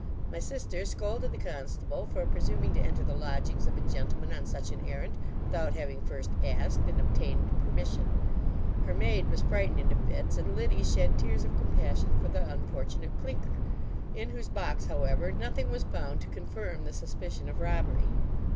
My sister scolded the constable for presuming to enter the lodgings of a gentleman on such an errand, without having first asked, and obtained permission; her maid was frightened into fits, and Liddy shed tears of compassion for the unfortunate Clinker, in whose box, however, nothing was found to confirm the suspicion of robbery.